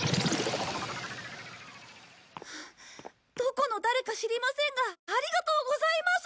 どこの誰か知りませんがありがとうございます。